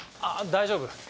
あっ大丈夫